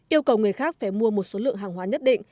yêu cầu người khác phải mua một số lượng hàng hóa nhất định